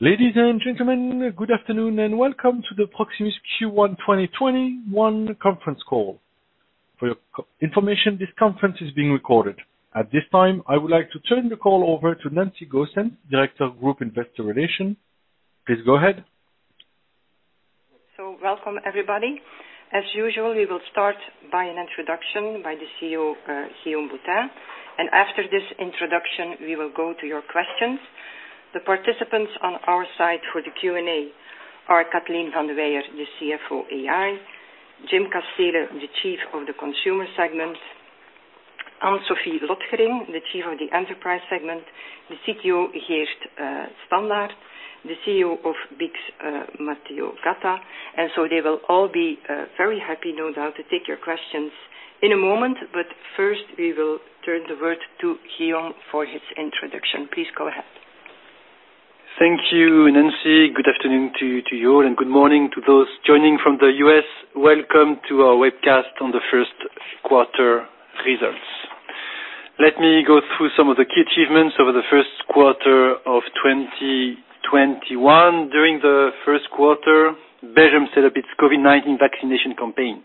Ladies and gentlemen, good afternoon. Welcome to the Proximus Q1 2021 conference call. For your information, this conference is being recorded. At this time, I would like to turn the call over to Nancy Goossens, Director of Group Investor Relations. Please go ahead. Welcome everybody. As usual, we will start by an introduction by the CEO, Guillaume Boutin. After this introduction, we will go to your questions. The participants on our side for the Q&A are Katleen Vandeweyer, the CFO ad interim, Jim Casteele, the chief of the consumer segment, Anne-Sophie Lotgering, the chief of the enterprise segment, the CTO Geert Standaert, the CEO of BICS, Matteo Gatta, they will all be very happy, no doubt, to take your questions in a moment, first, we will turn the word to Guillaume for his introduction. Please go ahead. Thank you, Nancy. Good afternoon to you all, and good morning to those joining from the U.S. Welcome to our webcast on the first quarter results. Let me go through some of the key achievements over the first quarter of 2021. During the first quarter, Belgium set up its COVID-19 vaccination campaign.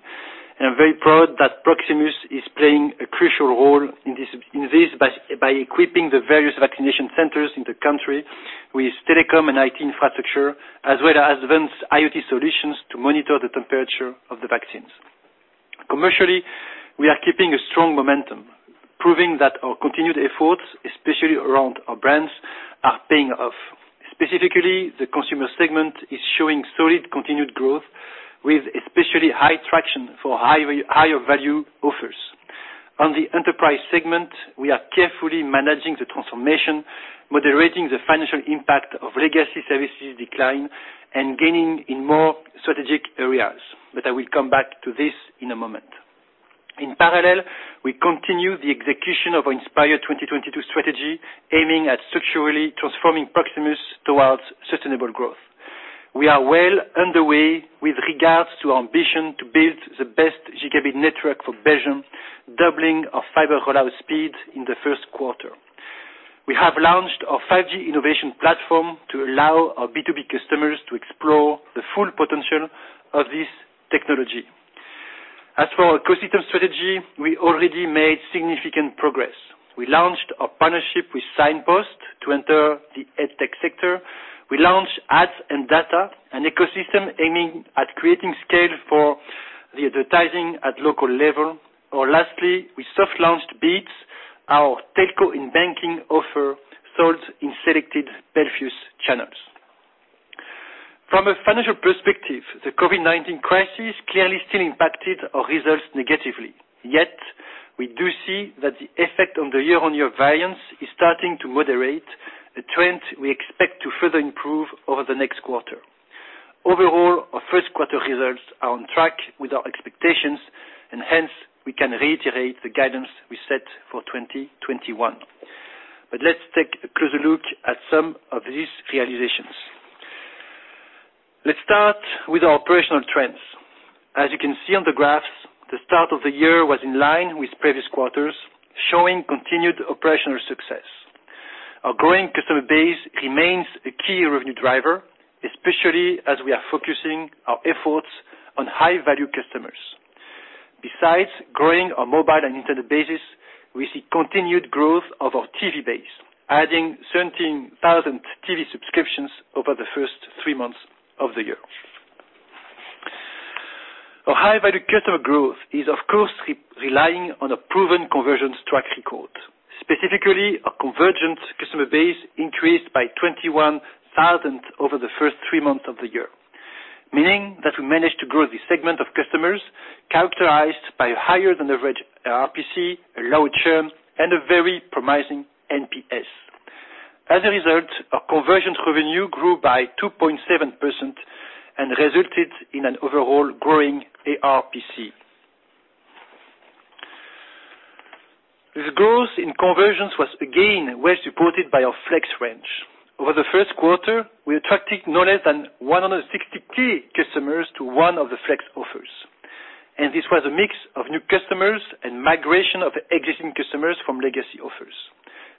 I'm very proud that Proximus is playing a crucial role in this by equipping the various vaccination centers in the country with telecom and IT infrastructure, as well as advanced IoT solutions to monitor the temperature of the vaccines. Commercially, we are keeping a strong momentum, proving that our continued efforts, especially around our brands, are paying off. Specifically, the consumer segment is showing solid continued growth with especially high traction for higher value offers. On the enterprise segment, we are carefully managing the transformation, moderating the financial impact of legacy services decline, and gaining in more strategic areas. I will come back to this in a moment. In parallel, we continue the execution of our #inspire2022 strategy, aiming at structurally transforming Proximus towards sustainable growth. We are well underway with regards to our ambition to build the best gigabit network for Belgium, doubling our fiber roll-out speed in the first quarter. We have launched our 5G innovation platform to allow our B2B customers to explore the full potential of this technology. As for our ecosystem strategy, we already made significant progress. We launched a partnership with Signpost to enter the EdTech sector. We launched Ads & Data, an ecosystem aiming at creating scale for the advertising at local level. Lastly, we soft launched Banx, our telco in banking offer, sold in selected Belfius channels. From a financial perspective, the COVID-19 crisis clearly still impacted our results negatively. We do see that the effect on the year-on-year variance is starting to moderate, a trend we expect to further improve over the next quarter. Overall, our first quarter results are on track with our expectations, hence, we can reiterate the guidance we set for 2021. Let's take a closer look at some of these realizations. Let's start with our operational trends. As you can see on the graphs, the start of the year was in line with previous quarters, showing continued operational success. Our growing customer base remains a key revenue driver, especially as we are focusing our efforts on high-value customers. Besides growing our mobile and internet bases, we see continued growth of our TV base, adding 17,000 TV subscriptions over the first three months of the year. Our high-value customer growth is, of course, relying on a proven convergence track record. Specifically, our convergence customer base increased by 21,000 over the first three months of the year, meaning that we managed to grow this segment of customers characterized by higher-than-average RPC, a low churn, and a very promising NPS. As a result, our convergence revenue grew by 2.7% and resulted in an overall growing ARPC. This growth in convergence was again well supported by our Flex range. Over the first quarter, we attracted no less than 163 customers to one of the Flex offers. This was a mix of new customers and migration of existing customers from legacy offers.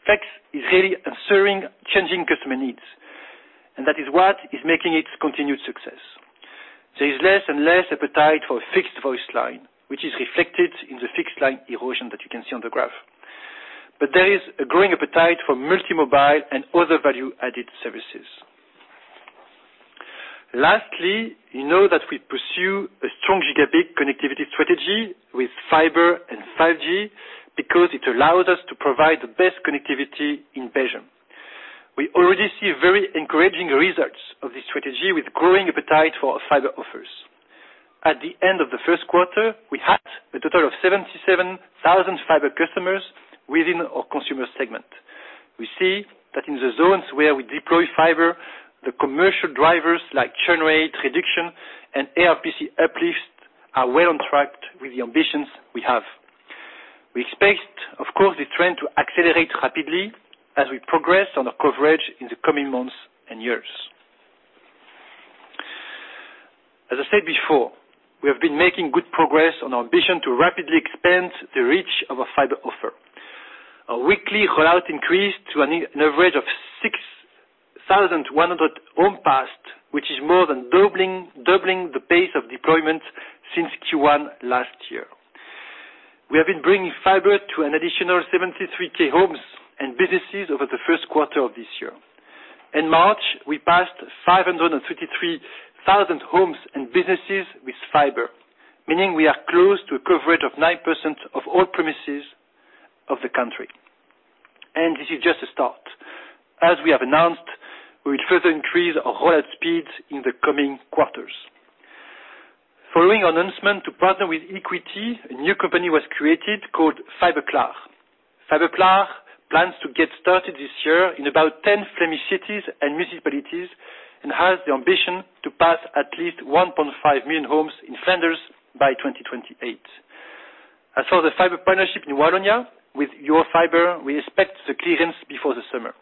Flex is really answering changing customer needs, and that is what is making its continued success. There is less and less appetite for a fixed voice line, which is reflected in the fixed line erosion that you can see on the graph. There is a growing appetite for multi-mobile and other value-added services. Lastly, you know that we pursue a strong gigabit connectivity strategy with fiber and 5G because it allows us to provide the best connectivity in Belgium. We already see very encouraging results of this strategy with growing appetite for our fiber offers. At the end of the first quarter, we had a total of 77,000 fiber customers within our consumer segment. We see that in the zones where we deploy fiber, the commercial drivers like churn rate reduction and ARPC uplift are well on track with the ambitions we have. We expect, of course, the trend to accelerate rapidly as we progress on the coverage in the coming months and years. As I said before, we have been making good progress on our ambition to rapidly expand the reach of our fiber offer. Our weekly rollout increased to an average of 6,100 homes passed, which is more than doubling the pace of deployment since Q1 last year. We have been bringing fiber to an additional 73,000 homes and businesses over the first quarter of this year. In March, we passed 533,000 homes and businesses with fiber, meaning we are close to a coverage of 9% of all premises of the country. This is just a start. As we have announced, we will further increase our rollout speeds in the coming quarters. Following announcement to partner with EQT, a new company was created called Fiberklaar. Fiberklaar plans to get started this year in about 10 Flemish cities and municipalities and has the ambition to pass at least 1.5 million homes in Flanders by 2028. As for the fiber partnership in Wallonia with Unifiber, we expect the clearance before the summer.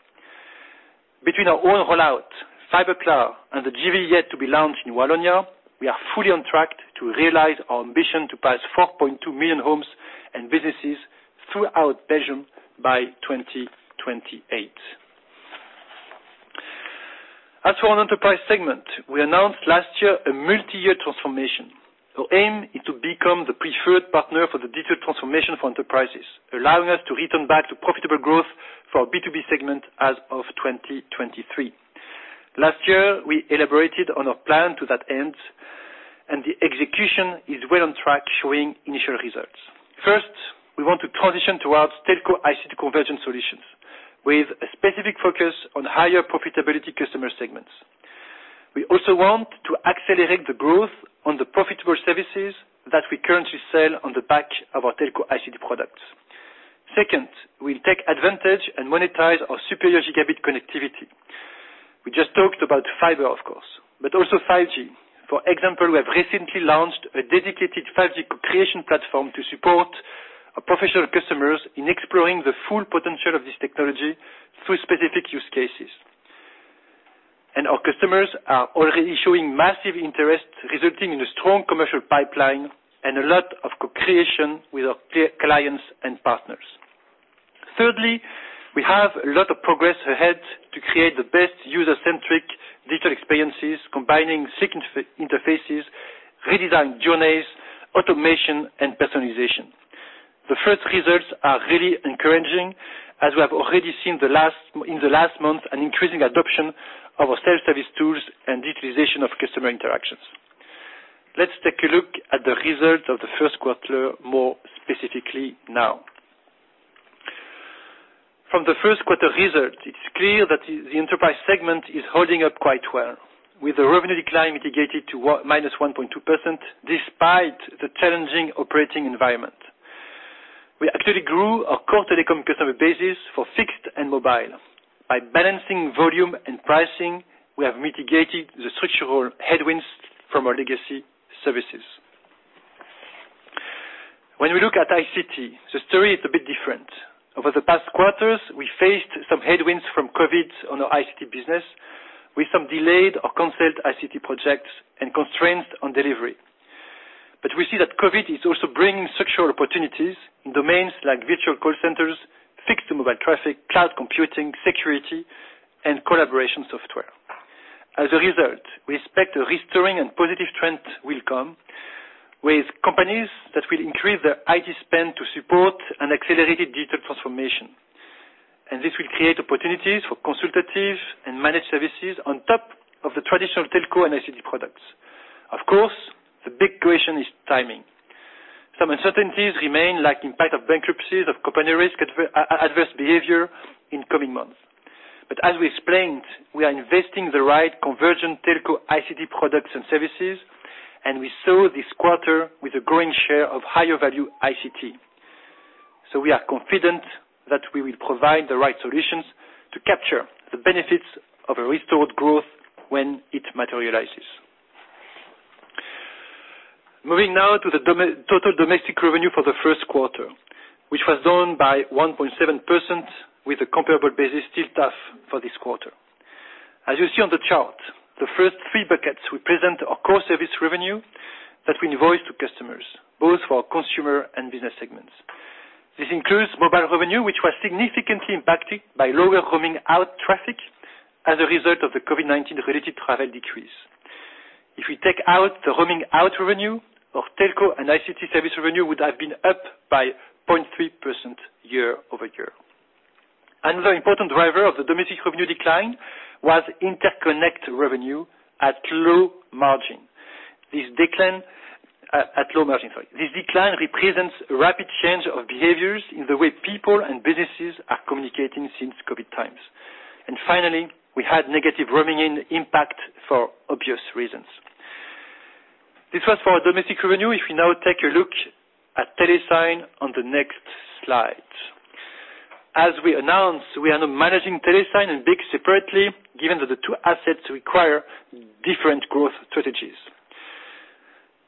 Between our own rollout, Fiberklaar, and the JV yet to be launched in Wallonia, we are fully on track to realize our ambition to pass 4.2 million homes and businesses throughout Belgium by 2028. As for our enterprise segment, we announced last year a multi-year transformation. Our aim is to become the preferred partner for the digital transformation for enterprises, allowing us to return back to profitable growth for our B2B segment as of 2023. Last year, we elaborated on our plan to that end, and the execution is well on track, showing initial results. First, we want to transition towards telco ICT convergent solutions with a specific focus on higher profitability customer segments. We also want to accelerate the growth on the profitable services that we currently sell on the back of our telco ICT products. Second, we'll take advantage and monetize our superior gigabit connectivity. We just talked about fiber, of course, but also 5G. For example, we have recently launched a dedicated 5G co-creation platform to support our professional customers in exploring the full potential of this technology through specific use cases. Our customers are already showing massive interest, resulting in a strong commercial pipeline and a lot of co-creation with our clients and partners. Thirdly, we have a lot of progress ahead to create the best user-centric digital experiences, combining significant interfaces, redesigned journeys, automation, and personalization. The first results are really encouraging, as we have actually seen in the last month an increasing adoption of our self-service tools and digitalization of customer interactions. Let's take a look at the results of the first quarter more specifically now. From the first quarter results, it is clear that the Enterprise segment is holding up quite well, with the revenue decline mitigated to -1.2%, despite the challenging operating environment. We actually grew our core telecom customer basis for fixed and mobile. By balancing volume and pricing, we have mitigated the structural headwinds from our legacy services. We look at ICT, the story is a bit different. Over the past quarters, we faced some headwinds from COVID-19 on our ICT business, with some delayed or canceled ICT projects and constraints on delivery. We see that COVID is also bringing structural opportunities in domains like virtual call centers, fixed to mobile traffic, cloud computing, security, and collaboration software. As a result, we expect a restoring and positive trend will come with companies that will increase their IT spend to support an accelerated digital transformation. This will create opportunities for consultative and managed services on top of the traditional telco and ICT products. Of course, the big question is timing. Some uncertainties remain, like impact of bankruptcies, of company risk, adverse behavior in coming months. As we explained, we are investing the right convergent telco ICT products and services, and we saw this quarter with a growing share of higher-value ICT. We are confident that we will provide the right solutions to capture the benefits of a restored growth when it materializes. Moving now to the total domestic revenue for the first quarter, which was down by 1.7% with a comparable basis, still tough for this quarter. As you see on the chart, the first three buckets represent our core service revenue that we invoice to customers, both for our consumer and business segments. This includes mobile revenue, which was significantly impacted by lower roaming-out traffic as a result of the COVID-19-related travel decrease. If we take out the roaming-out revenue of telco and ICT service revenue would have been up by 0.3% YoY. Another important driver of the domestic revenue decline was interconnect revenue at low margin. This decline represents a rapid change of behaviors in the way people and businesses are communicating since COVID times. Finally, we had negative roaming-in impact for obvious reasons. This was for our domestic revenue. If we now take a look at Telesign on the next slide. As we announced, we are now managing Telesign and BICS separately, given that the two assets require different growth strategies.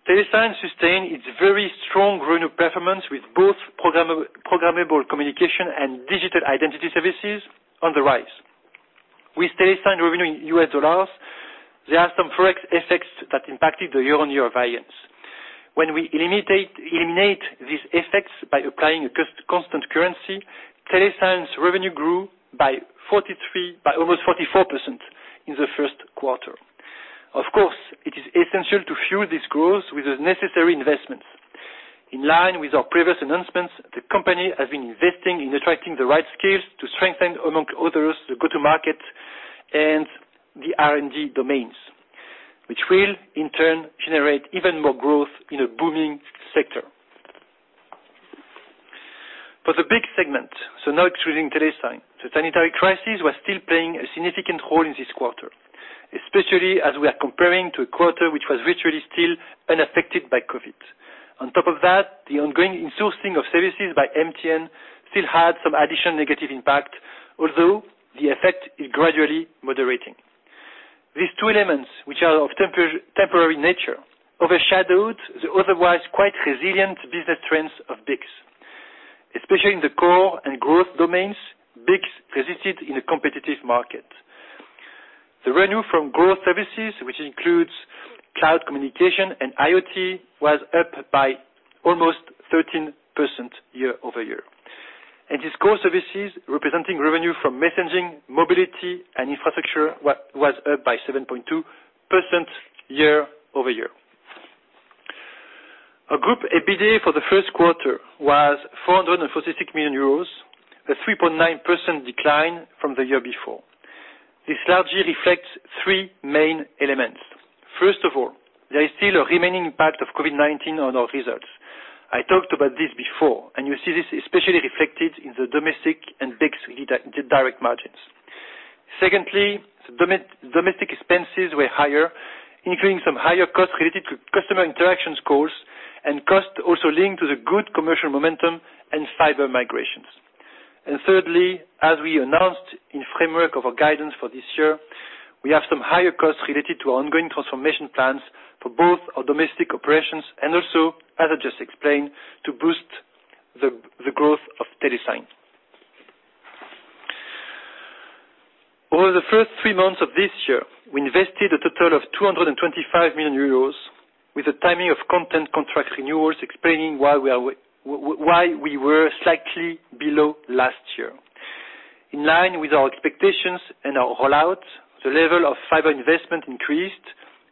Telesign sustained its very strong revenue performance with both programmable communication and digital identity services on the rise. We still assign revenue in US dollars. There are some forex effects that impacted the year-on-year variance. When we eliminate these effects by applying a constant currency, Telesign's revenue grew by almost 44% in the first quarter. Of course, it is essential to fuel this growth with the necessary investments. In line with our previous announcements, the company has been investing in attracting the right skills to strengthen, among others, the go-to-market and the R&D domains, which will in turn generate even more growth in a booming sector. For the BICS segment, now excluding TeleSign, the sanitary crisis was still playing a significant role in this quarter, especially as we are comparing to a quarter which was virtually still unaffected by COVID. On top of that, the ongoing insourcing of services by MTN still had some additional negative impact, although the effect is gradually moderating. These two elements, which are of temporary nature, overshadowed the otherwise quite resilient business trends of BICS. Especially in the core and growth domains, BICS resisted in a competitive market. The revenue from growth services, which includes cloud communication and IoT, was up by almost 13% YoY. Its core services, representing revenue from messaging, mobility, and infrastructure, was up by 7.2% YoY. Our group EBITDA for the first quarter was 446 million euros, a 3.9% decline from the year before. This largely reflects three main elements. First of all, there is still a remaining impact of COVID-19 on our results. I talked about this before, and you see this especially reflected in the domestic and BICS direct margins. Secondly, the domestic expenses were higher, including some higher costs related to customer interactions costs and costs also linked to the good commercial momentum and fiber migrations. Thirdly, as we announced in framework of our guidance for this year, we have some higher costs related to our ongoing transformation plans for both our domestic operations and also, as I just explained, to boost the growth of Telesign. Over the first three months of this year, we invested a total of 225 million euros with the timing of content contract renewals explaining why we were slightly below last year. In line with our expectations and our rollout, the level of fiber investment increased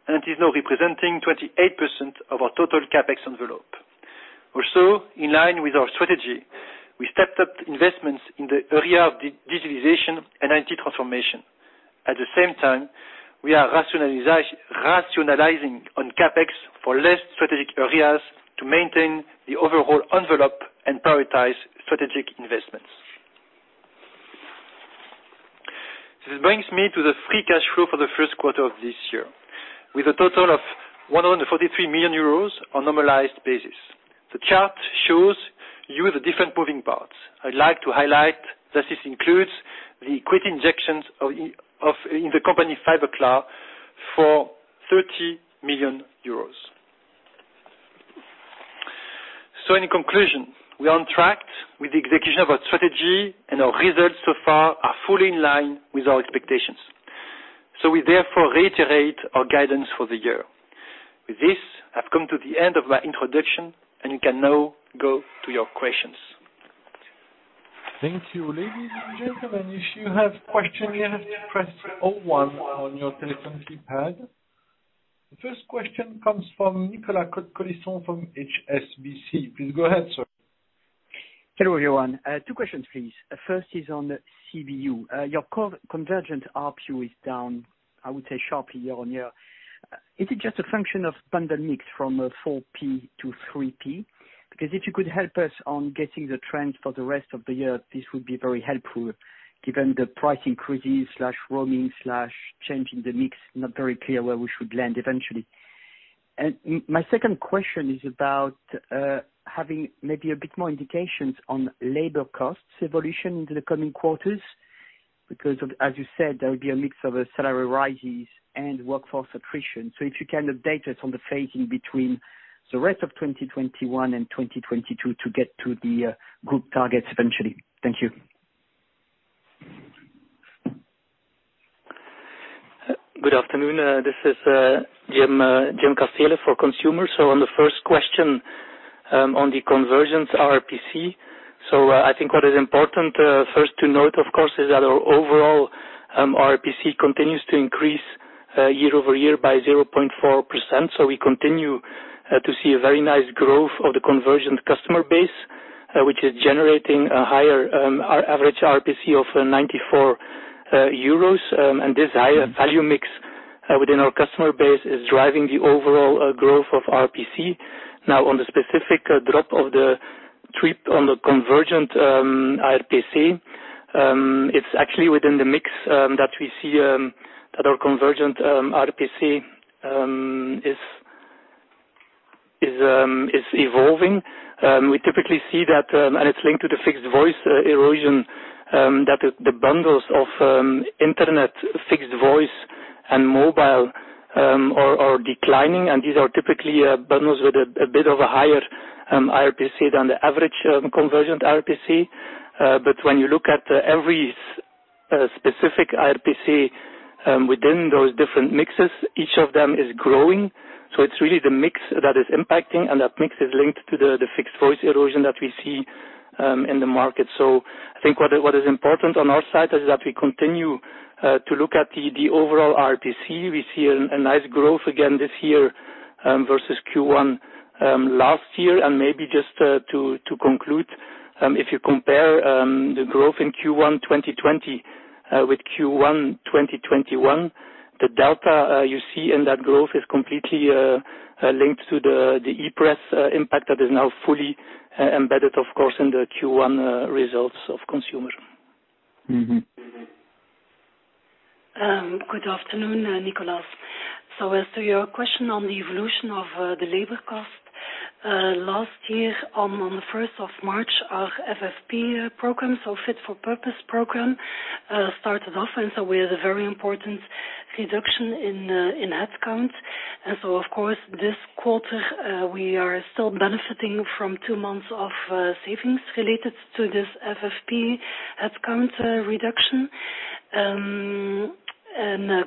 and is now representing 28% of our total CapEx envelope. Also, in line with our strategy, we stepped up investments in the area of digitalization and IT transformation. At the same time, we are rationalizing on CapEx for less strategic areas to maintain the overall envelope and prioritize strategic investments. This brings me to the free cash flow for the first quarter of this year, with a total of 143 million euros on normalized basis. The chart shows you the different moving parts. I'd like to highlight that this includes the equity injections in the company Fiberklaar for EUR 30 million. In conclusion, we are on track with the execution of our strategy, and our results so far are fully in line with our expectations. We therefore reiterate our guidance for the year. With this, I've come to the end of my introduction. We can now go to your questions. Thank you. Ladies and gentlemen, if you have questions, you have to press zero one on your telephone keypad. The first question comes from Nicolas Cote-Colisson from HSBC. Please go ahead, sir. Hello, everyone. Two questions, please. First is on CBU. Your core convergent ARPU is down, I would say sharply year-on-year. Is it just a function of bundle mix from 4P to 3P? If you could help us on getting the trends for the rest of the year, this would be very helpful given the price increases/roaming/change in the mix, not very clear where we should land eventually. My second question is about having maybe a bit more indications on labor costs evolution in the coming quarters. As you said, there will be a mix of salary rises and workforce attrition. If you can update us on the phasing between the rest of 2021 and 2022 to get to the group targets eventually. Thank you. Good afternoon. This is Jim Casteele for Consumer. On the first question on the convergence ARPC. I think what is important first to note, of course, is that our overall ARPC continues to increase YoY by 0.4%. We continue to see a very nice growth of the convergent customer base, which is generating a higher average ARPC of 94 euros. This higher value mix within our customer base is driving the overall growth of ARPC. Now, on the specific drop of the 3P on the convergent ARPC, it's actually within the mix that we see that our convergent ARPC is evolving. We typically see that, and it's linked to the fixed voice erosion, that the bundles of internet fiber Mobile are declining, and these are typically bundles with a bit of a higher ARPC than the average convergent ARPC. When you look at every specific ARPC within those different mixes, each of them is growing. It's really the mix that is impacting, and that mix is linked to the fixed voice erosion that we see in the market. I think what is important on our side is that we continue to look at the overall ARPC. We see a nice growth again this year versus Q1 last year. Maybe just to conclude, if you compare the growth in Q1 2020 with Q1 2021, the delta you see in that growth is completely linked to the My e-Press impact that is now fully embedded, of course, in the Q1 results of consumer. Good afternoon, Nicolas. As to your question on the evolution of the labor cost, last year on the 1st of March, our FFP program, Fit for Purpose program, started off, we had a very important reduction in headcount. Of course, this quarter, we are still benefiting from two months of savings related to this FFP headcount reduction.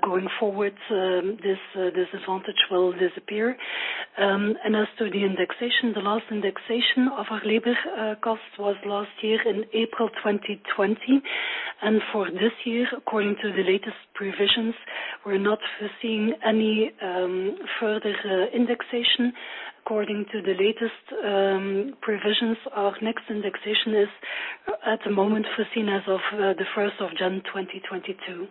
Going forward, this advantage will disappear. As to the indexation, the last indexation of our labor cost was last year in April 2020. For this year, according to the latest provisions, we're not foreseeing any further indexation. According to the latest provisions, our next indexation is at the moment foreseen as of the 1st of January 2022.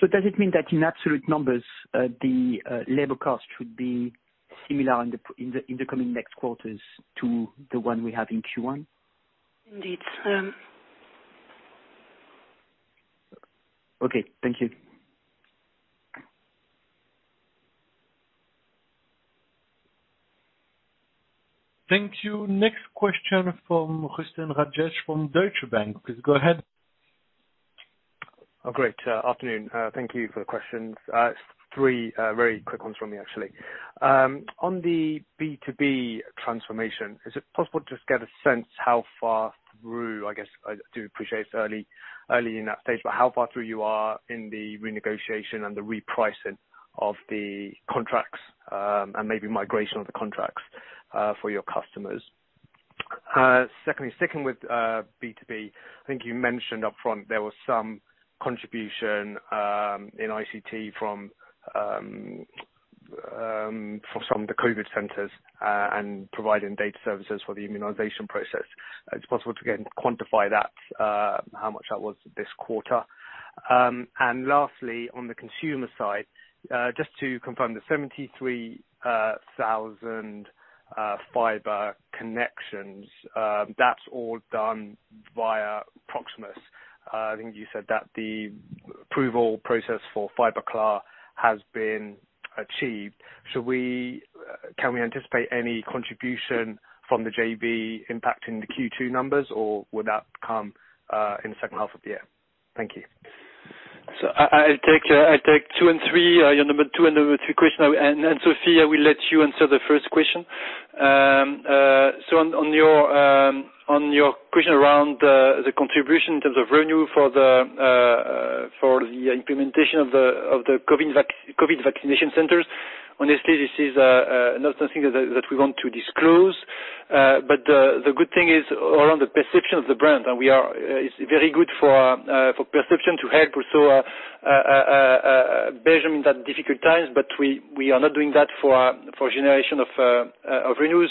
Does it mean that in absolute numbers, the labor cost should be similar in the coming next quarters to the one we have in Q1? Indeed. Okay. Thank you. Thank you. Next question from Roshan Ranjit from Deutsche Bank. Please go ahead. Great afternoon. Thank you for the questions. Just three very quick ones from me, actually. On the B2B transformation, is it possible to just get a sense how far through, I guess, I do appreciate it's early in that stage, but how far through you are in the renegotiation and the repricing of the contracts, and maybe migration of the contracts, for your customers? Secondly, sticking with B2B, I think you mentioned upfront there was some contribution in ICT from some of the COVID centers, and providing data services for the immunization process. Is it possible to, again, quantify that, how much that was this quarter? Lastly, on the consumer side, just to confirm, the 73,000 fiber connections, that's all done via Proximus. I think you said that the approval process for Fiberklaar has been achieved. Can we anticipate any contribution from the JV impacting the Q2 numbers, or would that come in the second half of the year? Thank you. I'll take two and three, your number two and number three question. Sophie, we'll let you answer the first question. On your question around the contribution in terms of revenue for the implementation of the COVID vaccination centers. Honestly, this is not something that we want to disclose. The good thing is around the perception of the brand, and it's very good for perception to help also Belgium in that difficult times. We are not doing that for generation of revenues.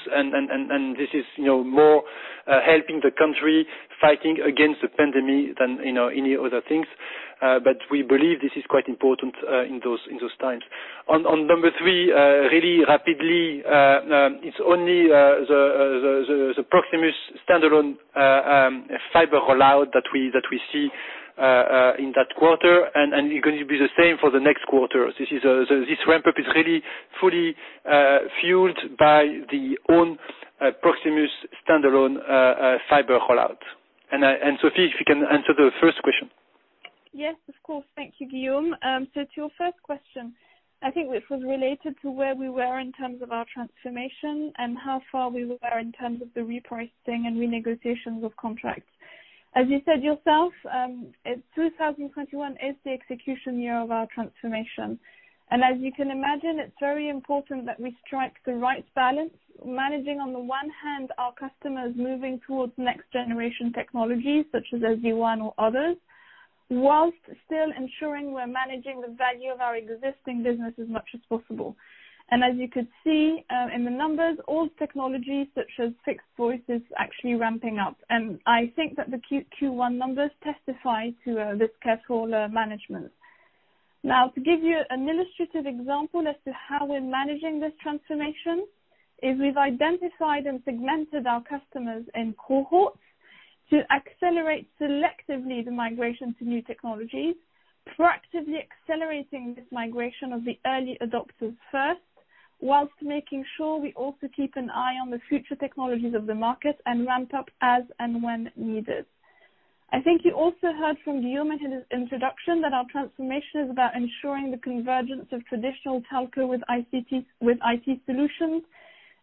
This is more helping the country fighting against the pandemic than any other things. We believe this is quite important in those times. On number three, really rapidly, it's only the Proximus standalone fiber rollout that we see in that quarter, and it's going to be the same for the next quarter. This ramp-up is really fully fueled by the own Proximus standalone fiber rollout. Sophie, if you can answer the first question. Yes, of course. Thank you, Guillaume. To your first question, I think this was related to where we were in terms of our transformation and how far we were in terms of the repricing and renegotiations of contracts. As you said yourself, 2021 is the execution year of our transformation. As you can imagine, it's very important that we strike the right balance, managing on the one hand our customers moving towards next generation technologies such as SD-WAN or others, whilst still ensuring we're managing the value of our existing business as much as possible. As you could see in the numbers, old technology such as fixed voice is actually ramping up. I think that the Q1 numbers testify to this careful management. To give you an illustrative example as to how we're managing this transformation, is we've identified and segmented our customers in cohorts to accelerate selectively the migration to new technologies, proactively accelerating this migration of the early adopters first, whilst making sure we also keep an eye on the future technologies of the market and ramp up as and when needed. I think you also heard from Guillaume in his introduction that our transformation is about ensuring the convergence of traditional telco with IT solutions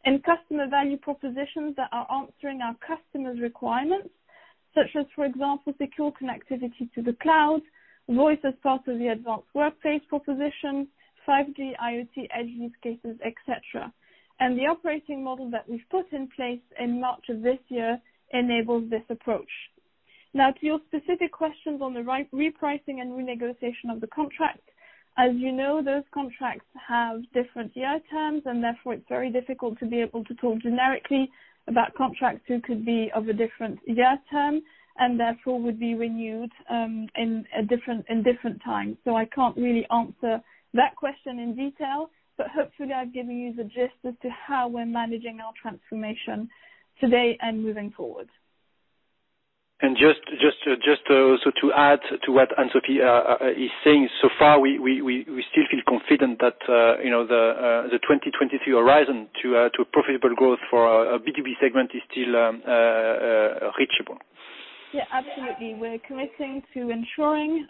and customer value propositions that are answering our customers' requirements, such as, for example, secure connectivity to the cloud, voice as part of the advanced workplace proposition, 5G IoT edge use cases, et cetera. The operating model that we've put in place in March of this year enables this approach. To your specific questions on the repricing and renegotiation of the contract. As you know, those contracts have different year terms, and therefore it's very difficult to be able to talk generically about contracts who could be of a different year term and therefore would be renewed in different times. I can't really answer that question in detail, but hopefully I've given you the gist as to how we're managing our transformation today and moving forward. Just to add to what Anne-Sophie is saying, so far, we still feel confident that the 2023 horizon to profitable growth for our B2B segment is still reachable. Absolutely. We're committing to ensuring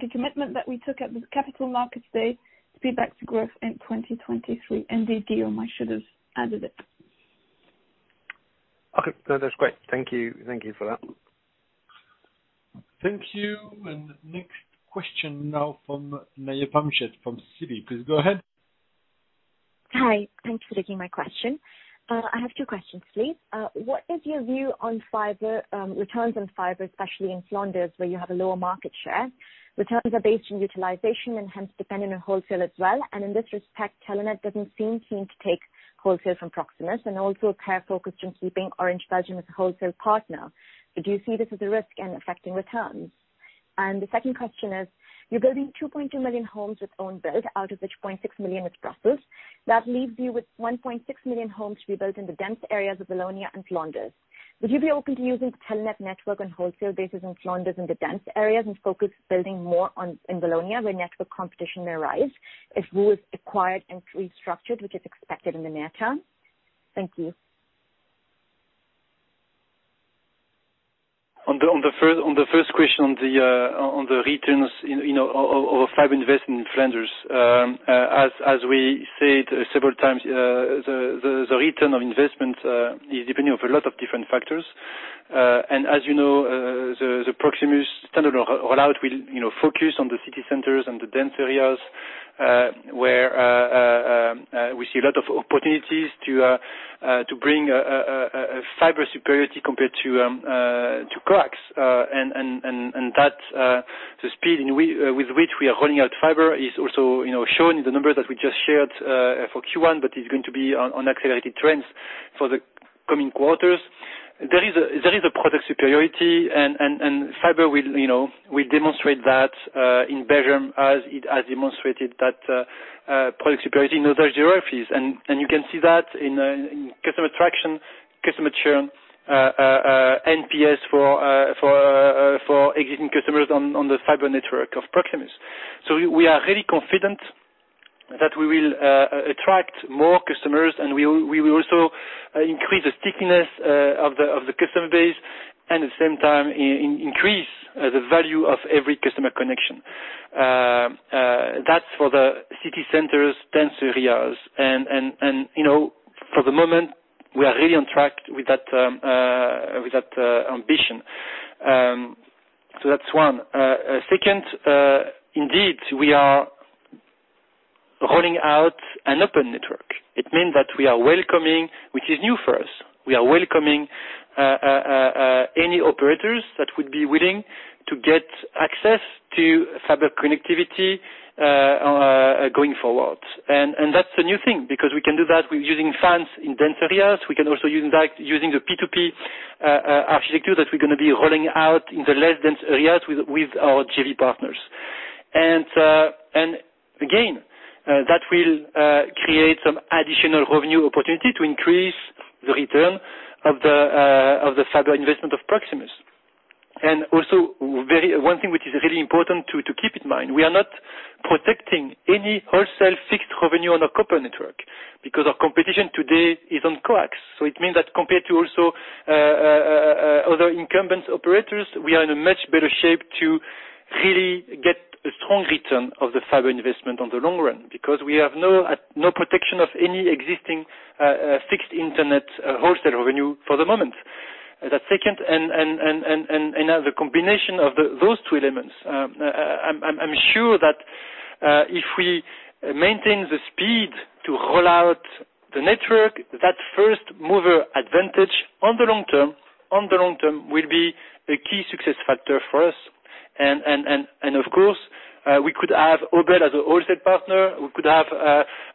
the commitment that we took at the Capital Markets Day to be back to growth in 2023. Indeed, Guillaume should have added it. Okay. No, that's great. Thank you for that. Thank you. Next question now from Neha Pant from Citi. Please go ahead. Hi. Thanks for taking my question. I have two questions, please. What is your view on returns on fiber, especially in Flanders, where you have a lower market share? Returns are based on utilization and hence depending on wholesale as well, and in this respect, Telenet doesn't seem keen to take wholesale from Proximus and also appear focused on keeping Orange Belgium as a wholesale partner. Do you see this as a risk in affecting returns? The second question is, you're building 2.2 million homes with own build, out of which 0.6 million is Brussels. That leaves you with 1.6 million homes to be built in the dense areas of Wallonia and Flanders. Would you be open to using Telenet network on wholesale basis in Flanders in the dense areas and focus building more in Wallonia, where network competition may rise as VOO is acquired and restructured, which is expected in the near term? Thank you. On the first question on the returns of fiber investment in Flanders, as we said several times, the return of investment is depending on a lot of different factors. As you know, the Proximus standard rollout will focus on the city centers and the dense areas, where we see a lot of opportunities to bring a fiber superiority compared to coax. The speed with which we are rolling out fiber is also shown in the numbers that we just shared for Q1, but is going to be on accelerated trends for the coming quarters. There is a product superiority and fiber will demonstrate that in Belgium as it has demonstrated that product superiority in other geographies. You can see that in customer traction, customer churn, NPS for existing customers on the fiber network of Proximus. We are really confident that we will attract more customers and we will also increase the stickiness of the customer base and at the same time increase the value of every customer connection. That's for the city centers, dense areas. For the moment, we are really on track with that ambition. That's one. Second, indeed, we are rolling out an open network. It means that we are welcoming, which is new for us. We are welcoming any operators that would be willing to get access to fiber connectivity going forward. That's a new thing because we can do that with using fans in dense areas. We can also using the P2P architecture that we're going to be rolling out in the less dense areas with our JV partners. Again, that will create some additional revenue opportunity to increase the return of the fiber investment of Proximus. Also, one thing which is really important to keep in mind, we are not protecting any wholesale fixed revenue on our copper network because our competition today is on coax. It means that compared to also other incumbent operators, we are in a much better shape to really get a strong return of the fiber investment on the long run because we have no protection of any existing fixed Internet wholesale revenue for the moment. That's second. As a combination of those two elements, I'm sure that if we maintain the speed to roll out the network, that first mover advantage on the long term will be a key success factor for us. Of course, we could have Obeid as a wholesale partner. We could have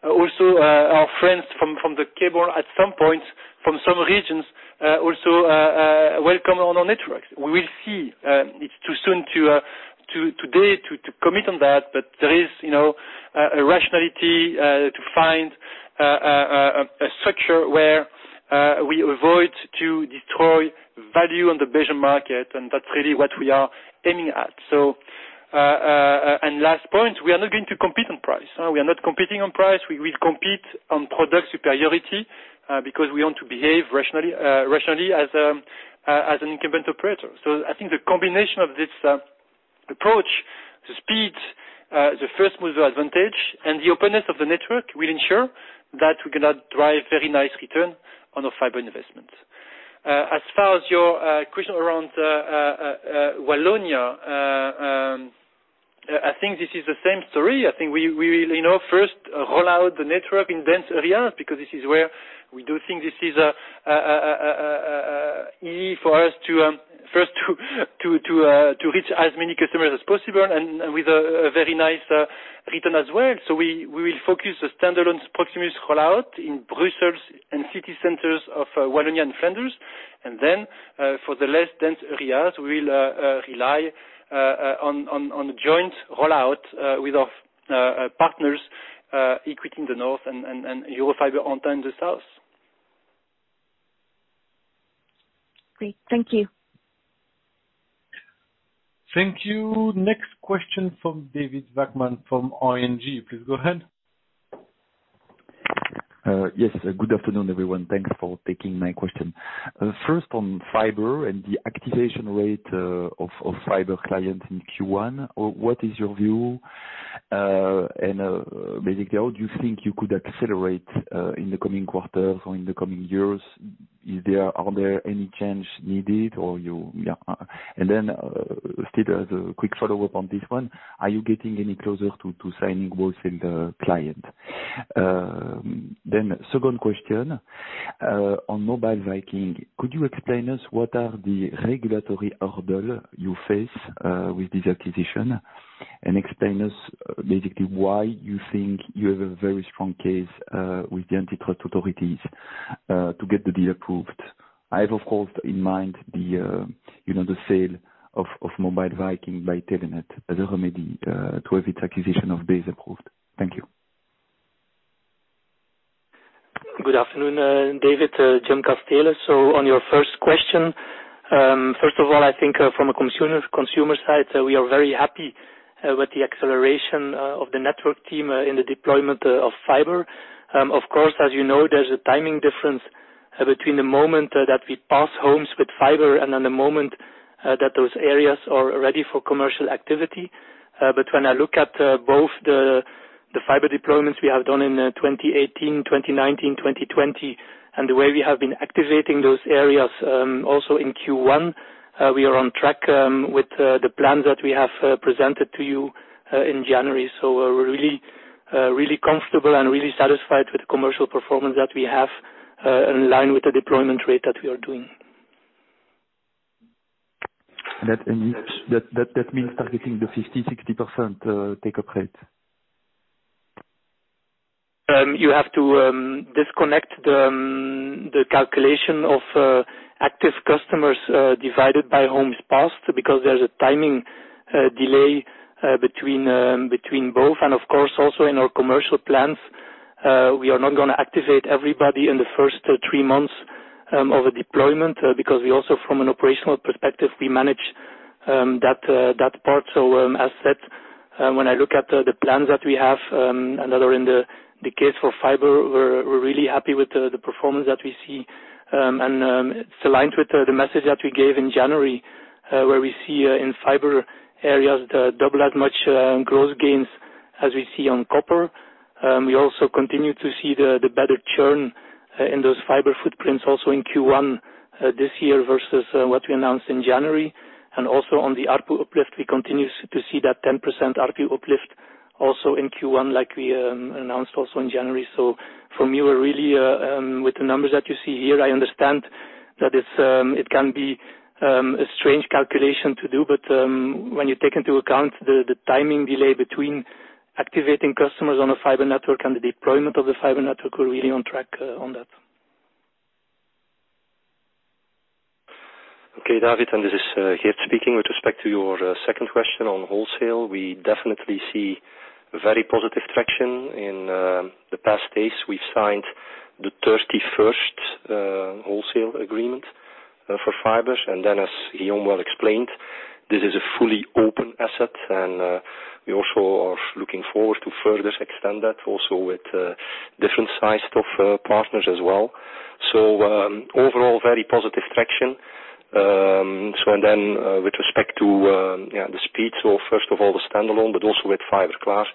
also our friends from the cable at some point from some regions also welcome on our networks. We will see. It's too soon today to commit on that. There is a rationality to find a structure where we avoid to destroy value on the Belgium market, and that's really what we are aiming at. Last point, we are not going to compete on price. We are not competing on price. We will compete on product superiority, because we want to behave rationally as an incumbent operator. I think the combination of this approach, the speed, the first-mover advantage, and the openness of the network will ensure that we're going to drive very nice return on our fiber investment. As far as your question around Wallonia, I think this is the same story. I think we will first roll out the network in dense areas, because this is where we do think this is easy for us to, first, to reach as many customers as possible and with a very nice return as well. We will focus the standalone Proximus roll-out in Brussels and city centers of Wallonia and Flanders. For the less dense areas, we'll rely on the joint roll-out with our partners EQT in the north and Eurofiber and Ontara in the south. Great. Thank you. Thank you. Next question from David Vagman from ING. Please go ahead. Yes. Good afternoon, everyone. Thanks for taking my question. First, on fiber and the activation rate of fiber clients in Q1. What is your view? Basically, how do you think you could accelerate in the coming quarters or in the coming years? Are there any changes needed? Still as a quick follow-up on this one, are you getting any closer to signing wholesale clients? Second question, on Mobile Vikings. Could you explain us what are the regulatory hurdles you face with this acquisition? Explain us basically why you think you have a very strong case with the antitrust authorities to get the deal approved. I have, of course, in mind the sale of Mobile Vikings by Telenet as a remedy to have its acquisition of BASE approved. Thank you. Good afternoon, David. Jim Casteele. On your first question, first of all, I think from a consumer side, we are very happy with the acceleration of the network team in the deployment of fiber. Of course, as you know, there's a timing difference between the moment that we pass homes with fiber and then the moment that those areas are ready for commercial activity. When I look at both the fiber deployments we have done in 2018, 2019, 2020, and the way we have been activating those areas, also in Q1, we are on track with the plans that we have presented to you in January. We're really comfortable and really satisfied with the commercial performance that we have in line with the deployment rate that we are doing. That means targeting the 50%-60% take-up rate. You have to disconnect the calculation of active customers divided by homes passed because there's a timing delay between both. Of course, also in our commercial plans, we are not going to activate everybody in the first three months of a deployment, because we also from an operational perspective, we manage that part. As said, when I look at the plans that we have, and that are in the case for fiber, we're really happy with the performance that we see. It's aligned with the message that we gave in January, where we see in fiber areas double as much growth gains as we see on copper. We also continue to see the better churn in those fiber footprints also in Q1 this year versus what we announced in January. Also on the ARPU uplift, we continue to see that 10% ARPU uplift also in Q1 like we announced also in January. For me, with the numbers that you see here, I understand that it can be a strange calculation to do. When you take into account the timing delay between activating customers on a fiber network and the deployment of the fiber network, we're really on track on that. Okay, David. This is Geert speaking. With respect to your second question on wholesale, we definitely see very positive traction. In the past days, we've signed the 31st wholesale agreement for fibers. As Jim well explained, this is a fully open asset and we also are looking forward to further extend that also with different sized of partners as well. Overall, very positive traction. With respect to the speeds. First of all, the standalone, but also with Fiberklaar.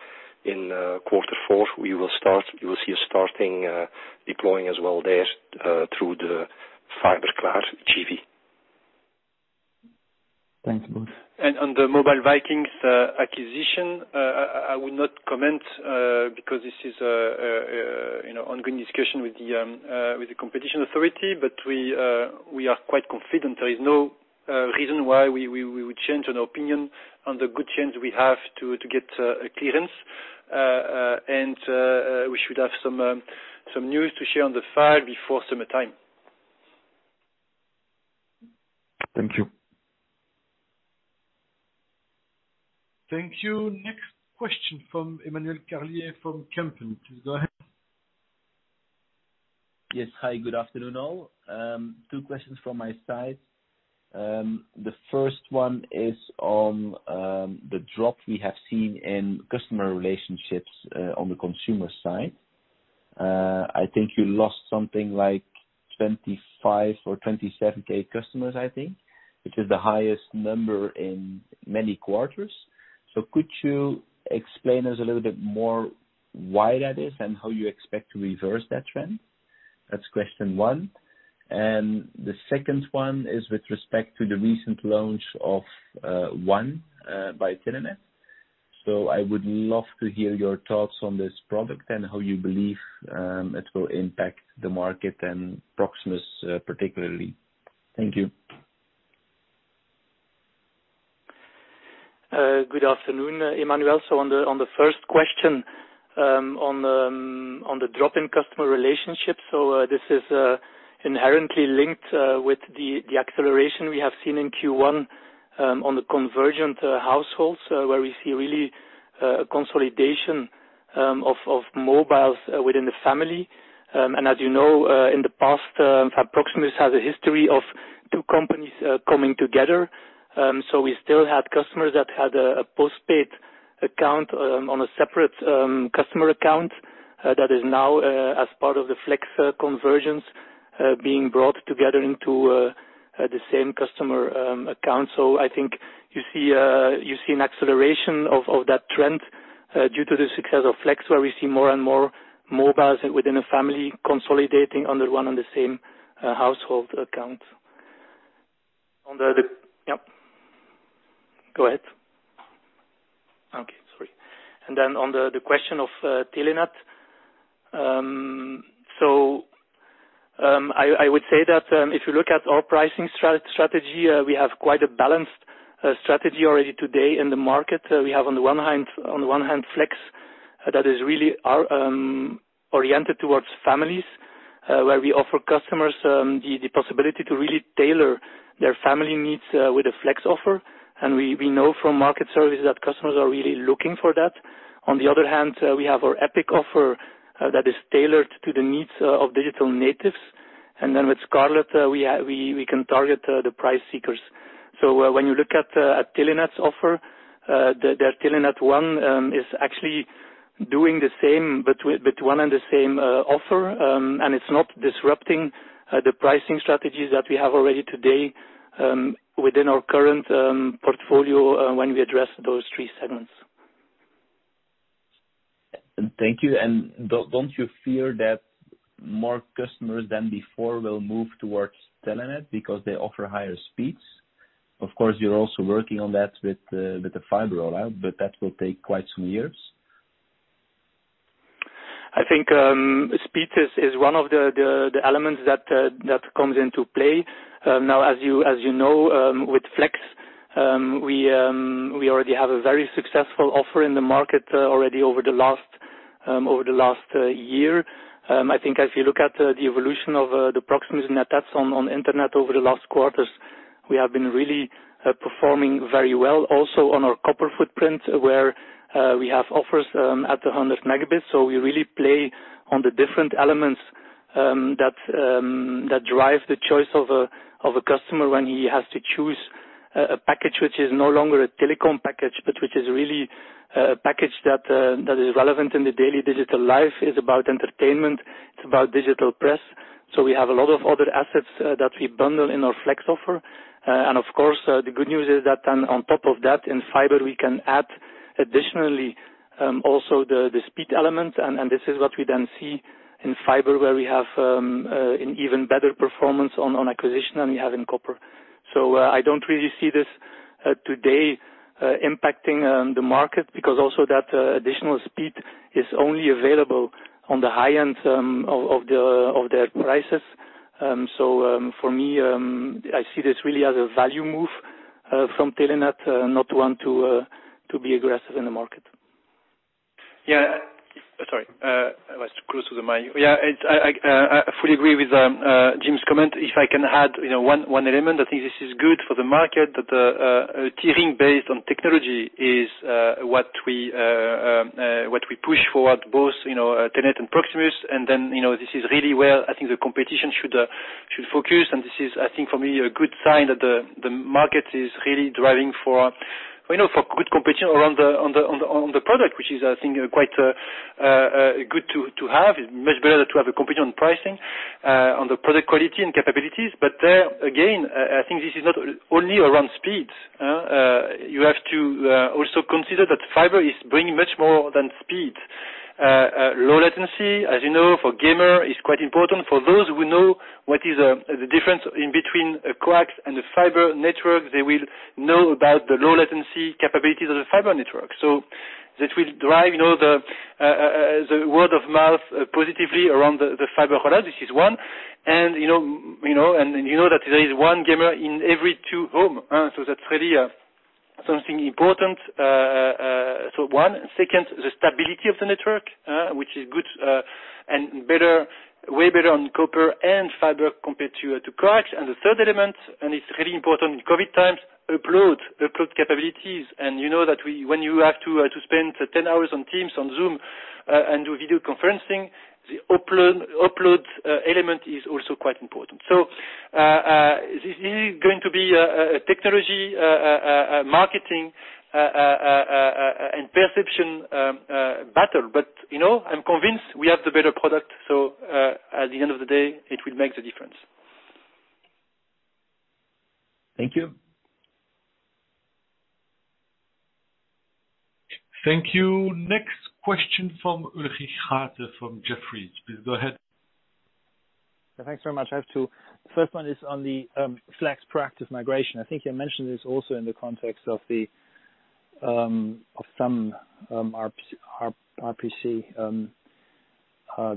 In quarter four, you will see us starting deploying as well there through the Fiberklaar JV. Thanks both. On the Mobile Vikings acquisition, I would not comment because this is ongoing discussion with the competition authority. We are quite confident. There is no reason why we would change an opinion on the good chance we have to get a clearance. We should have some news to share on the file before summertime. Thank you. Thank you. Next question from Emmanuel Carlier from Kempen. Please go ahead. Yes. Hi, good afternoon all. Two questions from my side. The first one is on the drop we have seen in customer relationships on the consumer side. I think you lost something like 25 or 27K customers, I think, which is the highest number in many quarters. Could you explain us a little bit more why that is and how you expect to reverse that trend? That's question one. The second one is with respect to the recent launch of ONE by Telenet. I would love to hear your thoughts on this product and how you believe it will impact the market and Proximus, particularly. Thank you. Good afternoon, Emmanuel. On the first question, on the drop in customer relationships. This is inherently linked with the acceleration we have seen in Q1, on the convergent households, where we see really a consolidation of mobiles within the family. As you know, in the past, Proximus has a history of two companies coming together. We still had customers that had a postpaid account on a separate customer account, that is now as part of the Flex conversions, being brought together into the same customer account. I think you see an acceleration of that trend due to the success of Flex, where we see more and more mobiles within a family consolidating under one and the same household account. On the Yep. Go ahead. Okay, sorry. On the question of Telenet. I would say that, if you look at our pricing strategy, we have quite a balanced strategy already today in the market. We have on the one hand, Flex, that is really oriented towards families, where we offer customers the possibility to really tailor their family needs with a Flex offer. We know from market services that customers are really looking for that. On the other hand, we have our Epic offer that is tailored to the needs of digital natives. With Scarlet, we can target the price seekers. When you look at Telenet's offer, their Telenet ONE is actually doing the same, but one and the same offer. It's not disrupting the pricing strategies that we have already today within our current portfolio when we address those three segments. Thank you. Don't you fear that more customers than before will move towards Telenet because they offer higher speeds? Of course, you're also working on that with the fiber rollout, but that will take quite some years. I think speed is one of the elements that comes into play. As you know, with Flex, we already have a very successful offer in the market already over the last year. I think if you look at the evolution of the Proximus net adds on internet over the last quarters, we have been really performing very well. Also on our copper footprint, where we have offers at 100 Mb. We really play on the different elements that drive the choice of a customer when he has to choose a package which is no longer a telecom package, but which is really a package that is relevant in the daily digital life. It's about entertainment, it's about digital press. We have a lot of other assets that we bundle in our Flex offer. Of course, the good news is that then on top of that, in fiber, we can add additionally, also the speed element. This is what we then see in fiber, where we have an even better performance on acquisition than we have in copper. I don't really see this today impacting the market, because also that additional speed is only available on the high-end of the prices. For me, I see this really as a value move from Telenet, not one to be aggressive in the market. Sorry. I was close to the mic. I fully agree with Jim's comment. If I can add one element, I think this is good for the market, that tiering based on technology is what we push for both Telenet and Proximus. This is really where I think the competition should focus. This is, I think, for me, a good sign that the market is really driving for good competition on the product, which is I think quite good to have. It's much better to have a competition on pricing, on the product quality and capabilities. There, again, I think this is not only around speed. You have to also consider that fiber is bringing much more than speed. Low latency, as you know, for gamers is quite important. For those who know what is the difference in between a coax and a fiber network, they will know about the low latency capabilities of the fiber network. That will drive the word of mouth positively around the fiber rollout. This is one. You know that there is one gamer in every two home. That's really something important. One. Second, the stability of the network, which is good and way better on copper. Fiber compared to coax. The third element, and it's really important in COVID times, upload capabilities. You know that when you have to spend 10 hours on Teams, on Zoom, and do video conferencing, the upload element is also quite important. This is going to be a technology marketing and perception battle. I'm convinced we have the better product. At the end of the day, it will make the difference. Thank you. Thank you. Next question from Ulrich Rathe from Jefferies. Please go ahead. Thanks very much. I have two. First one is on the Flex proactive migration. I think you mentioned this also in the context of some RPC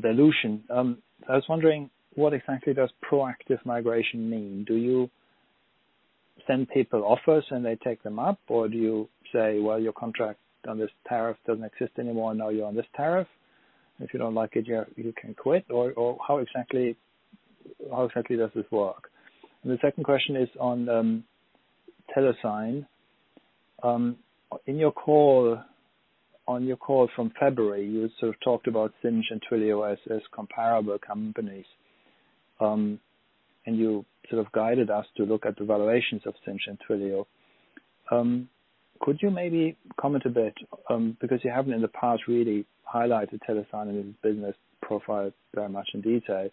dilution. I was wondering what exactly does proactive migration mean? Do you send people offers and they take them up, or do you say, "Well, your contract on this tariff doesn't exist anymore. Now you're on this tariff. If you don't like it, you can quit." How exactly does this work? The second question is on Telesign. On your call from February, you sort of talked about Sinch and Twilio as comparable companies. You sort of guided us to look at the valuations of Sinch and Twilio. Could you maybe comment a bit, because you haven't in the past really highlighted Telesign in business profile very much in detail.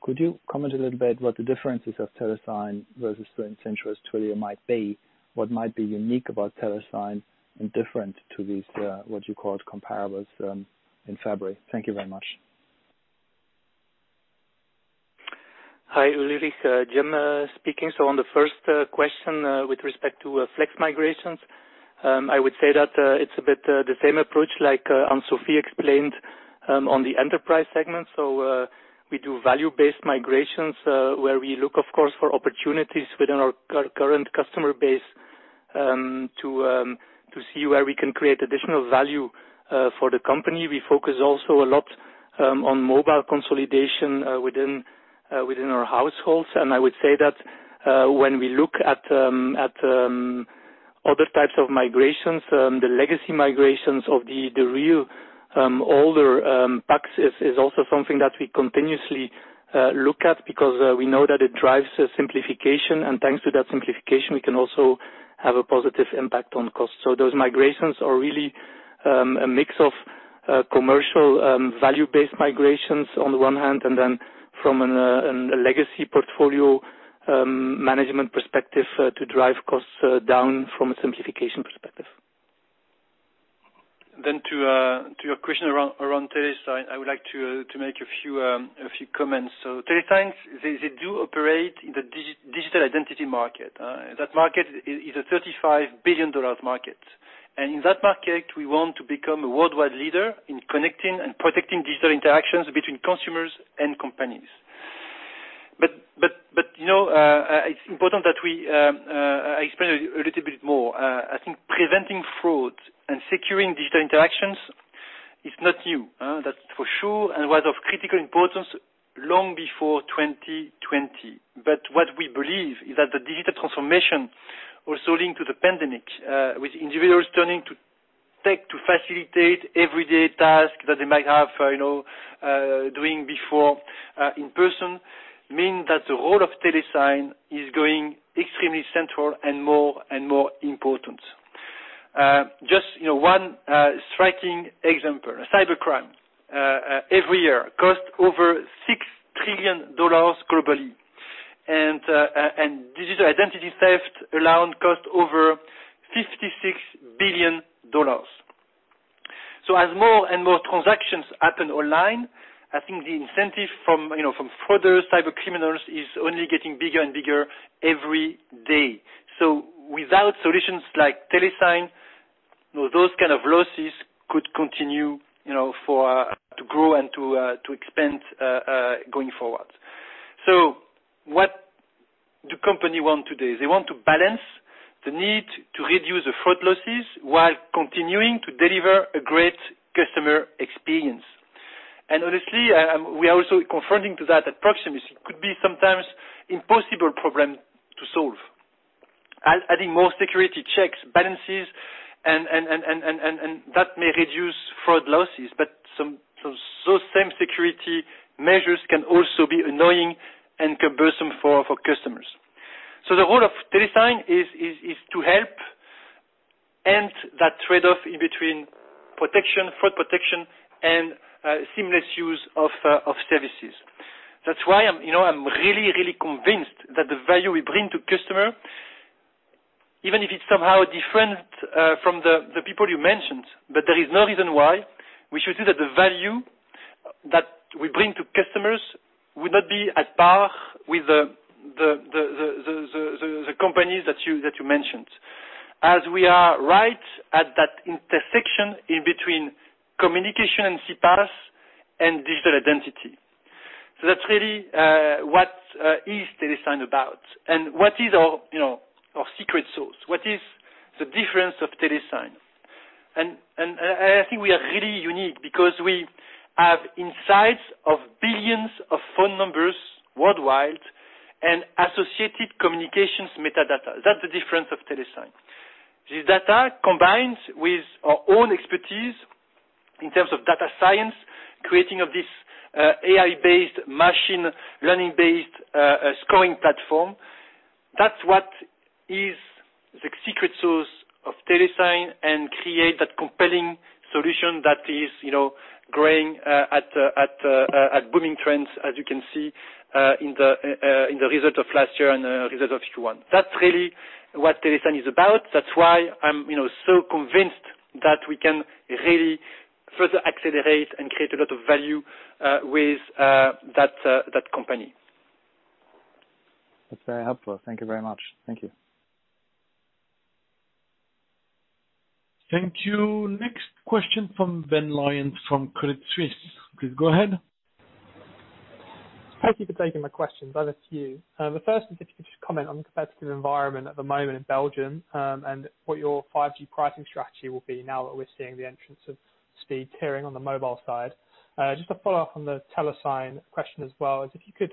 Could you comment a little bit what the differences of Telesign versus Sinch or Twilio might be? What might be unique about Telesign and different to these, what you called comparables, in February? Thank you very much. Hi, Ulrich. Jim speaking. On the first question with respect to Flex migrations, I would say that it's a bit the same approach like Anne-Sophie explained on the enterprise segment. We do value-based migrations, where we look, of course, for opportunities within our current customer base to see where we can create additional value for the company. We focus also a lot on mobile consolidation within our households. I would say that when we look at other types of migrations, the legacy migrations of the real older packs is also something that we continuously look at because we know that it drives simplification. Thanks to that simplification, we can also have a positive impact on cost. Those migrations are really a mix of commercial value-based migrations on the one hand, and then from a legacy portfolio management perspective to drive costs down from a simplification perspective. To your question around Telesign, I would like to make a few comments. Telesign, they do operate in the digital identity market. That market is a EUR 35 billion market. In that market, we want to become a worldwide leader in connecting and protecting digital interactions between consumers and companies. It's important that I explain a little bit more. I think preventing fraud and securing digital interactions is not new, that's for sure, and was of critical importance long before 2020. What we believe is that the digital transformation, also linked to the pandemic, with individuals turning to tech to facilitate everyday tasks that they might have doing before in person, means that the role of Telesign is going extremely central and more and more important. Just one striking example, cybercrime every year costs over EUR 6 trillion globally. Digital identity theft alone costs over EUR 56 billion. As more and more transactions happen online, I think the incentive from further cybercriminals is only getting bigger and bigger every day. Without solutions like Telesign, those kind of losses could continue to grow and to expand going forward. What do companies want today? They want to balance the need to reduce the fraud losses while continuing to deliver a great customer experience. Honestly, we are also confronting to that at Proximus. It could be sometimes impossible problem to solve. Adding more security checks balances, that may reduce fraud losses. Those same security measures can also be annoying and cumbersome for customers. The role of Telesign is to help end that trade-off in between protection, fraud protection, and seamless use of services. That's why I'm really convinced that the value we bring to customer, even if it's somehow different from the people you mentioned, there is no reason why we should say that the value that we bring to customers would not be at par with the companies that you mentioned. We are right at that intersection in between communication and CPaaS and digital identity. That's really what is Telesign about. What is our secret sauce? What is the difference of Telesign? I think we are really unique because we have insights of billions of phone numbers worldwide and associated communications metadata. That's the difference of Telesign. This data combines with our own expertise in terms of data science, creating of this AI-based, machine learning-based scoring platform. That's what is the secret sauce of Telesign and create that compelling solution that is growing at booming trends, as you can see in the result of last year and the result of Q1. That's really what Telesign is about. That's why I'm so convinced that we can really further accelerate and create a lot of value with that company. That's very helpful. Thank you very much. Thank you. Thank you. Next question from Ben Lyons from Credit Suisse. Please go ahead. Thank you for taking my questions. I have a few. The first is if you could just comment on the competitive environment at the moment in Belgium, and what your 5G pricing strategy will be now that we're seeing the entrance of speed tiering on the mobile side. Just to follow up on the Telesign question as well is, if you could